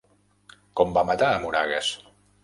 Com va matar a Moragues?